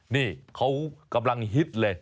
นี่เขากำลังฮิตเลย